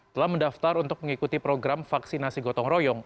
telah mendaftar untuk mengikuti program vaksinasi gotong royong